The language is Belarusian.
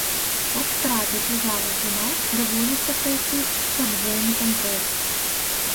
Каб трапіць у залу суда, даводзіцца прайсці падвойны кантроль.